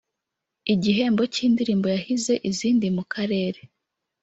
Igihembo cy’indirimbo yahize izindi mu karere